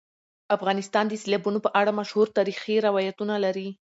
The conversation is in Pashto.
افغانستان د سیلابونو په اړه مشهور تاریخی روایتونه لري.